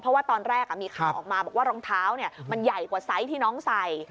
เพราะว่าตอนแรกมีข่าวออกมาบอกว่ารองเท้ามันใหญ่กว่าไซส์ที่น้องใส่